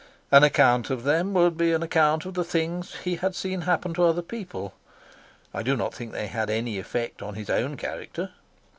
An account of them would be an account of the things he had seen happen to other people. I do not think they had any effect on his own character.